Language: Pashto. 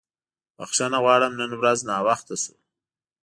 بښنه غواړم نن ورځ ناوخته شو.